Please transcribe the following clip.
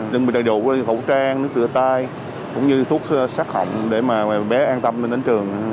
đừng bị đầy đủ với hậu trang nước tựa tay cũng như thuốc sát hỏng để mà bé an tâm đến trường